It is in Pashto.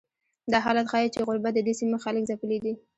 دا حالت ښیي چې غربت ددې سیمې خلک ځپلي دي.